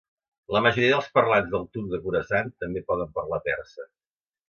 La majoria dels parlants del turc de Khorasan també poden parlar persa.